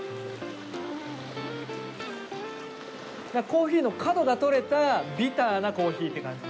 コーヒーの角が取れたビターなコーヒーって感じ。